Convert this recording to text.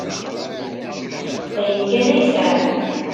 D ayen kan ay sɛan.